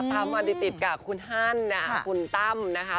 ตามมาดิติดกับคุณฮั่นคุณต้ำ